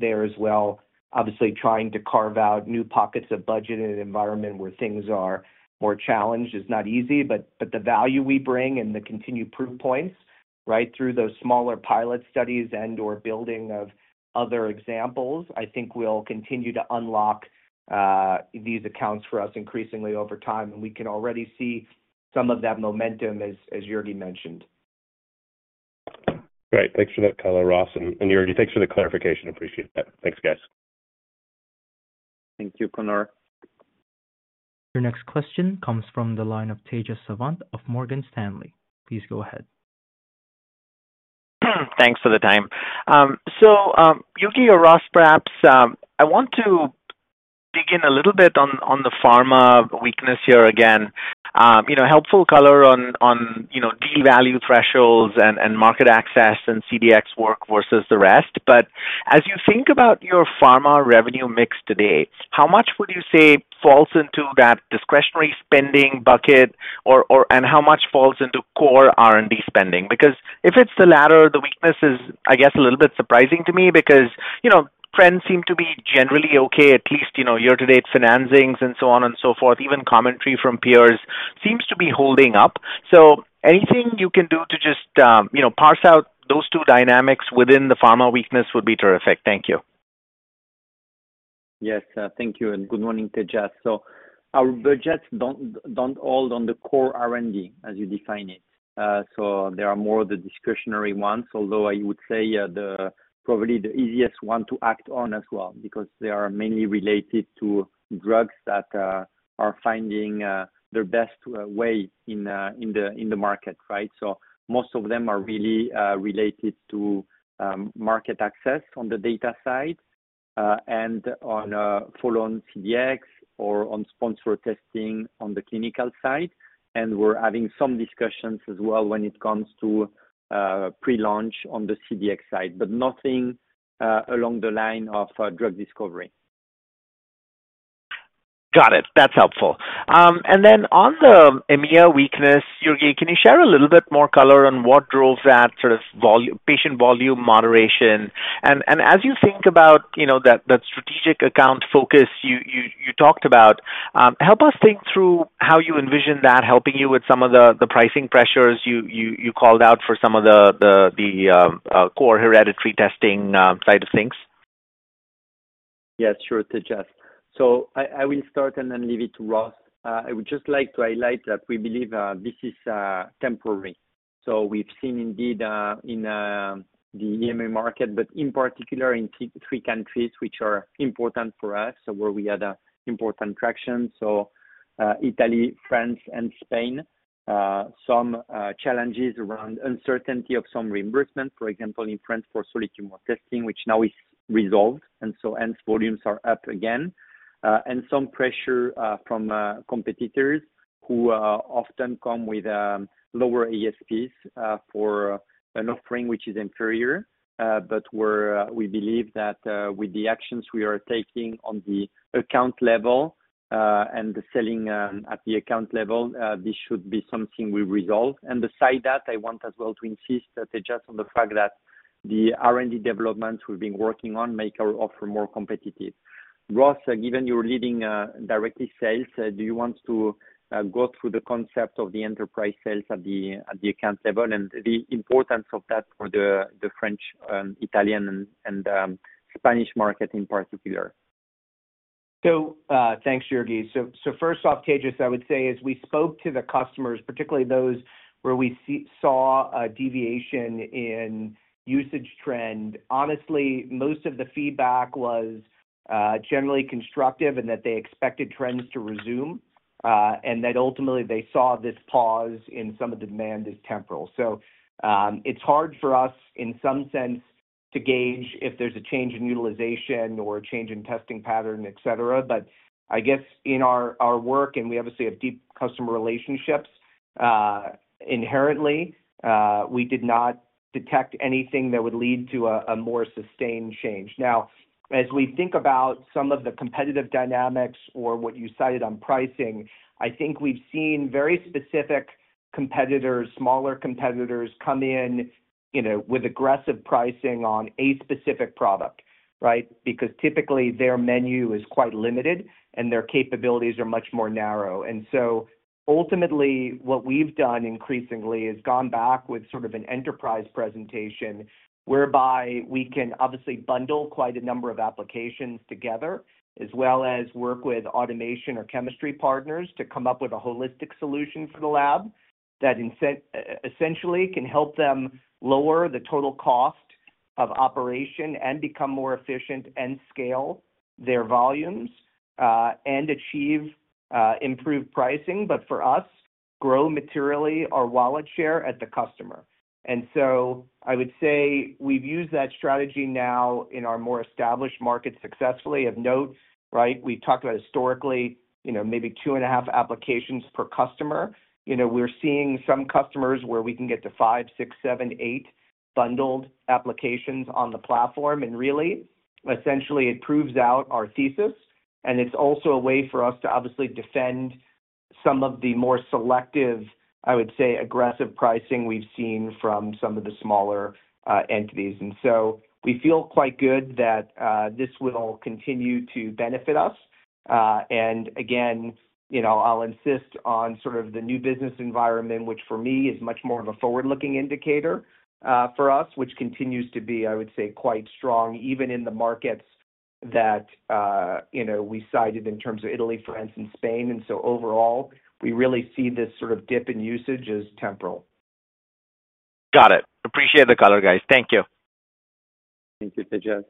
there as well, obviously, trying to carve out new pockets of budget in an environment where things are more challenged is not easy. But, the value we bring and the continued proof points, right through those smaller pilot studies and/or building of other examples, I think will continue to unlock, these accounts for us increasingly over time, and we can already see some of that momentum as Jurgi mentioned.
Great. Thanks for that color, Ross and Jurgi, thanks for the clarification. Appreciate that. Thanks, guys.
Thank you, Conor.
Your next question comes from the line of Tejas Sawant of Morgan Stanley. Please go ahead.
Thanks for the time. So, Jurgi or Ross, perhaps, I want to dig in a little bit on the pharma weakness here again. You know, helpful color on, you know, the value thresholds and market access and CDx work versus the rest. But as you think about your pharma revenue mix today, how much would you say falls into that discretionary spending bucket, or, and how much falls into core R&D spending? Because if it's the latter, the weakness is, I guess, a little bit surprising to me because, you know, trends seem to be generally okay, at least, you know, year-to-date financings and so on and so forth. Even commentary from peers seems to be holding up. So anything you can do to just, you know, parse out those two dynamics within the pharma weakness would be terrific. Thank you.
Yes, thank you, and good morning, Tejas. So our budgets don't hold on the core R&D, as you define it. So they are more the discretionary ones, although I would say, probably the easiest one to act on as well, because they are mainly related to drugs that are finding their best way in the market, right? So most of them are really related to market access on the data side, and on follow-on CDx or on sponsor testing on the clinical side. And we're having some discussions as well when it comes to pre-launch on the CDX side, but nothing along the line of drug discovery.
Got it. That's helpful. And then on the EMEA weakness, Jurgi, can you share a little bit more color on what drove that sort of patient volume moderation? And as you think about, you know, that strategic account focus you talked about, help us think through how you envision that helping you with some of the pricing pressures you called out for some of the core hereditary testing side of things.
Yes, sure, Tejas. So I will start and then leave it to Ross. I would just like to highlight that we believe this is temporary. So we've seen indeed in the EMEA market, but in particular in three countries, which are important for us, so where we had an important traction, so Italy, France and Spain. Some challenges around uncertainty of some reimbursement, for example, in France, for solid tumor testing, which now is resolved, and so hence, volumes are up again. And some pressure from competitors who often come with lower ESPs for an offering which is inferior. But we believe that with the actions we are taking on the account level and the selling at the account level this should be something we resolve. Besides that, I want as well to insist that, Tejas, on the fact that the R&D development we've been working on make our offer more competitive. Ross, given you're leading direct sales, do you want to go through the concept of the enterprise sales at the account level and the importance of that for the French, Italian and Spanish market in particular?
So, thanks, Jurgi. So, first off, Tejas, I would say, as we spoke to the customers, particularly those where we saw a deviation in usage trend, honestly, most of the feedback was, generally constructive and that they expected trends to resume, and that ultimately they saw this pause in some of the demand as temporal. So, it's hard for us in some sense, to gauge if there's a change in utilization or a change in testing pattern, et cetera. But I guess in our work, and we obviously have deep customer relationships, inherently, we did not detect anything that would lead to a more sustained change. Now, as we think about some of the competitive dynamics or what you cited on pricing, I think we've seen very specific competitors, smaller competitors, come in, you know, with aggressive pricing on a specific product, right? Because typically their menu is quite limited and their capabilities are much more narrow. And so ultimately, what we've done increasingly is gone back with sort of an enterprise presentation, whereby we can obviously bundle quite a number of applications together, as well as work with automation or chemistry partners to come up with a holistic solution for the lab, that essentially can help them lower the total cost of operation and become more efficient and scale their volumes, and achieve improved pricing, but for us, grow materially our wallet share at the customer. I would say we've used that strategy now in our more established markets successfully. Of note, right, we talked about historically, you know, maybe 2.5 applications per customer. You know, we're seeing some customers where we can get to 5, 6, 7, 8 bundled applications on the platform, and really, essentially it proves out our thesis, and it's also a way for us to obviously defend some of the more selective, I would say, aggressive pricing we've seen from some of the smaller entities. We feel quite good that this will continue to benefit us. Again, you know, I'll insist on sort of the new business environment, which for me is much more of a forward-looking indicator for us, which continues to be, I would say, quite strong, even in the markets that you know, we cited in terms of Italy, France and Spain. So overall, we really see this sort of dip in usage as temporal.
Got it. Appreciate the color, guys. Thank you.
Thank you, Tejas.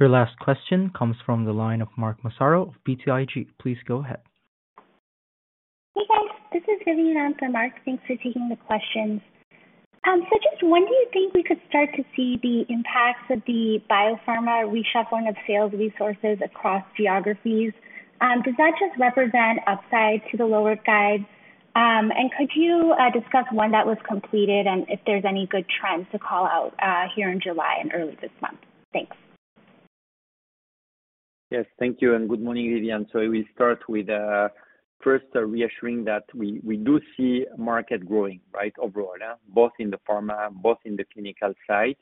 Your last question comes from the line of Mark Massaro of BTIG. Please go ahead.
Hey, guys, this is Vidyun, and for Mark, thanks for taking the questions. So just when do you think we could start to see the impacts of the biopharma reshuffling of sales resources across geographies? Does that just represent upside to the lower guides? And could you discuss when that was completed, and if there's any good trends to call out here in July and early this month? Thanks.
Yes, thank you, and good morning, Vivian. So we start with, first reassuring that we, we do see market growing, right, overall, both in the pharma, both in the clinical side.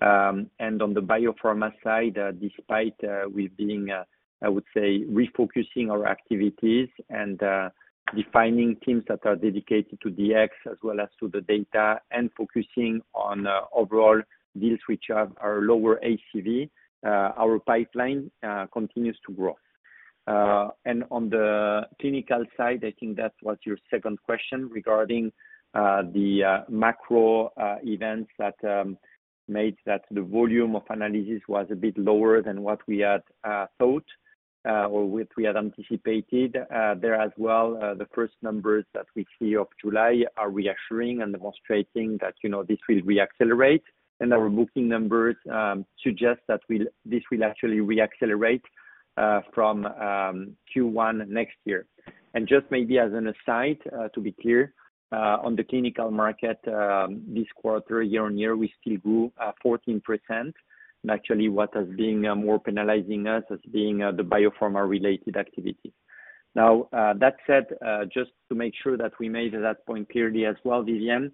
And on the biopharma side, despite, we being, I would say, refocusing our activities and, defining teams that are dedicated to DX as well as to the data, and focusing on, overall deals which are, are lower ACV, our pipeline, continues to grow. And on the clinical side, I think that was your second question regarding, the, macro, events that, made that the volume of analysis was a bit lower than what we had, thought, or which we had anticipated. There as well, the first numbers that we see of July are reassuring and demonstrating that, you know, this will reaccelerate. And our booking numbers suggest that this will actually reaccelerate from Q1 next year. Just maybe as an aside, to be clear, on the clinical market, this quarter, year-over-year, we still grew 14%. Actually, what has been more penalizing us as being the biopharma-related activity. Now, that said, just to make sure that we made that point clearly as well, Vidyun,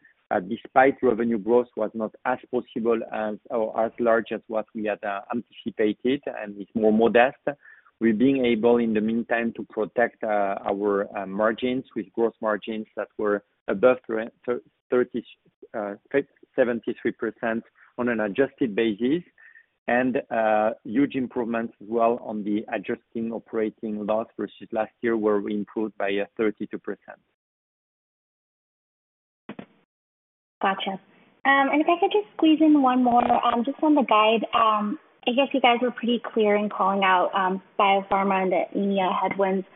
despite revenue growth was not as possible as or as large as what we had anticipated, and is more modest. We're being able, in the meantime, to protect our margins with gross margins that were above 73% on an adjusted basis, and huge improvements as well on the adjusting operating loss, versus last year were improved by 32%.
Gotcha. If I could just squeeze in one more, just on the guide. I guess you guys were pretty clear in calling out biopharma and the EMEA headwinds.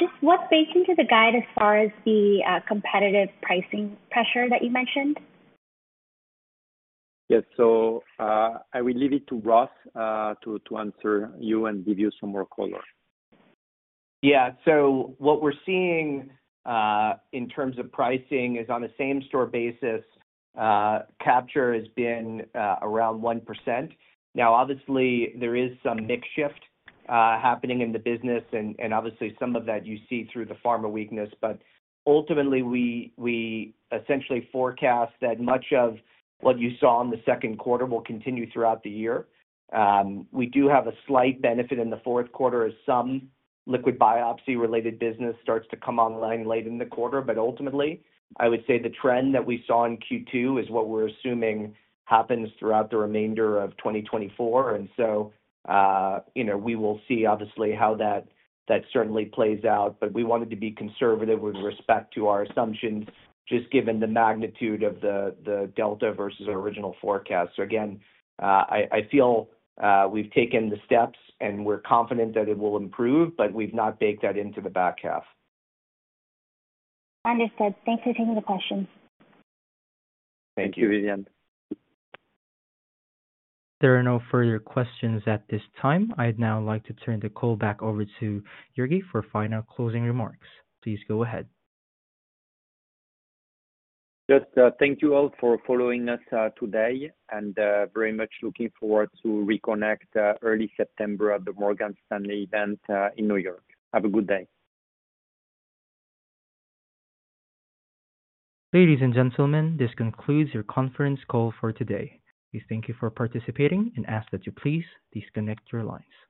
Just what baked into the guide as far as the competitive pricing pressure that you mentioned?
Yes. So, I will leave it to Ross to answer you and give you some more color.
Yeah. So what we're seeing in terms of pricing is, on a same-store basis, capture has been around 1%. Now, obviously, there is some mix shift happening in the business, and, and obviously some of that you see through the pharma weakness. But ultimately, we, we essentially forecast that much of what you saw in the second quarter will continue throughout the year. We do have a slight benefit in the fourth quarter as some liquid biopsy-related business starts to come online late in the quarter. But ultimately, I would say the trend that we saw in Q2 is what we're assuming happens throughout the remainder of 2024. And so, you know, we will see obviously how that certainly plays out, but we wanted to be conservative with respect to our assumptions, just given the magnitude of the delta versus our original forecast. So again, I feel we've taken the steps, and we're confident that it will improve, but we've not baked that into the back half.
Understood. Thanks for taking the question.
Thank you, Vidyun.
There are no further questions at this time. I'd now like to turn the call back over to Jurgi for final closing remarks. Please go ahead.
Just, thank you all for following us, today, and, very much looking forward to reconnect, early September at the Morgan Stanley event, in New York. Have a good day.
Ladies and gentlemen, this concludes your conference call for today. We thank you for participating and ask that you please disconnect your lines.